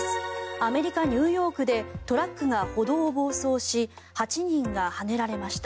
アメリカ・ニューヨークでトラックが歩道を暴走し８人がはねられました。